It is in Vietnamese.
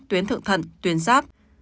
tuyến thượng thận tuyến sát